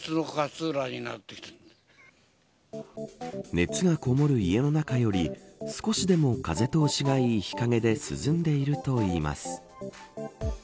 熱がこもる家の中より少しでも風通しがいい日陰で涼んでいるといいます。